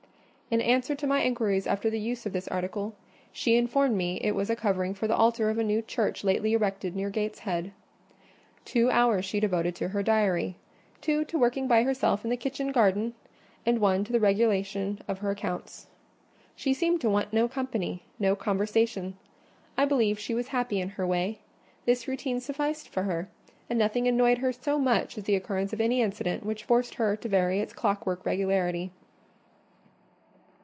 In answer to my inquiries after the use of this article, she informed me it was a covering for the altar of a new church lately erected near Gateshead. Two hours she devoted to her diary; two to working by herself in the kitchen garden; and one to the regulation of her accounts. She seemed to want no company; no conversation. I believe she was happy in her way: this routine sufficed for her; and nothing annoyed her so much as the occurrence of any incident which forced her to vary its clockwork regularity.